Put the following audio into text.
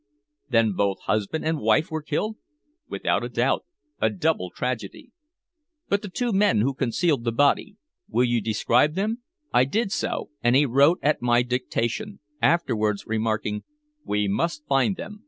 "Then both husband and wife were killed?" "Without a doubt a double tragedy." "But the two men who concealed the body! Will you describe them?" I did so, and he wrote at my dictation, afterwards remarking "We must find them."